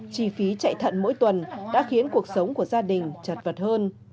chi phí chạy thận mỗi tuần đã khiến cuộc sống của gia đình chật vật hơn